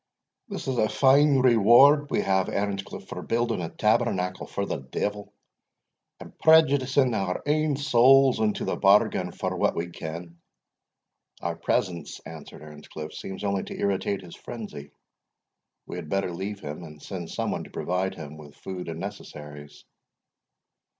"This is a fine reward we have, Earnscliff, for building a tabernacle for the devil, and prejudicing our ain souls into the bargain, for what we ken." "Our presence," answered Earnscliff, "seems only to irritate his frenzy; we had better leave him, and send some one to provide him with food and necessaries."